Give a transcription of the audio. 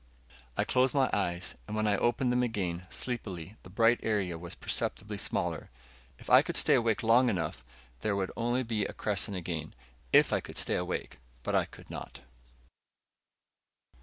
I closed my eyes, and when I opened them again, sleepily, the bright area was perceptibly smaller. If I could stay awake long enough, there would be only a crescent again. If I could stay awake But I could not....